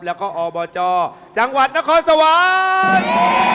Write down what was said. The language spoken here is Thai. แล้วก็อบจจังหวัดนครสวรรค์